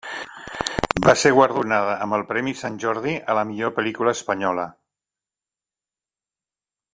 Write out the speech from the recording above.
Va ser guardonada amb el Premi Sant Jordi a la millor pel·lícula espanyola.